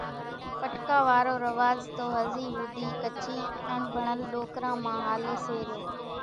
پٽڪا وارو رواز تو هزِي ۿوُڌِي ڪڇِي اڻڀڻل ڏوڪران مان هاليَ سي ريو۔